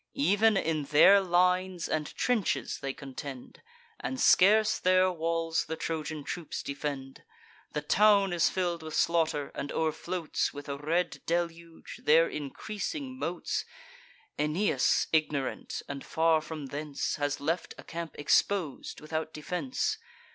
Ev'n in their lines and trenches they contend, And scarce their walls the Trojan troops defend: The town is fill'd with slaughter, and o'erfloats, With a red deluge, their increasing moats. Aeneas, ignorant, and far from thence, Has left a camp expos'd, without defence.